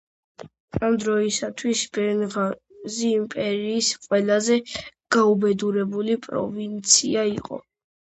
ამ დროისათვის ბენღაზი იმპერიის ყველაზე გაუბედურებული პროვინცია იყო.